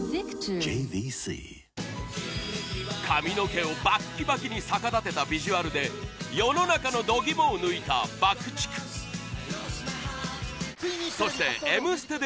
髪の毛をバッキバキに逆立てたビジュアルで世の中の度肝を抜いたＢＵＣＫ‐ＴＩＣＫ